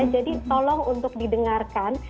jadi tolong untuk didengarkan